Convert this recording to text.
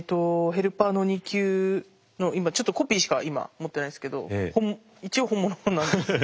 ヘルパーの２級の今ちょっとコピーしか今持ってないですけど一応本物なんです。